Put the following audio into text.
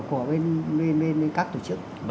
của bên các tổ chức